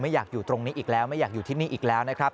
อยากอยู่ตรงนี้อีกแล้วไม่อยากอยู่ที่นี่อีกแล้วนะครับ